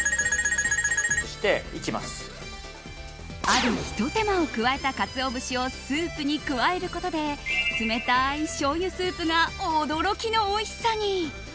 ある、ひと手間を加えたカツオ節をスープに加えることで冷たいしょうゆスープが驚きのおいしさに。